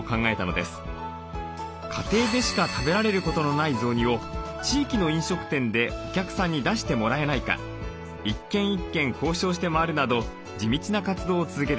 家庭でしか食べられることのない雑煮を地域の飲食店でお客さんに出してもらえないか１軒１軒交渉して回るなど地道な活動を続けてきました。